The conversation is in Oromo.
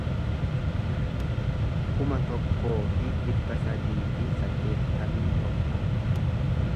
kuma tokkoo fi dhibba sadii fi saddeettamii tokko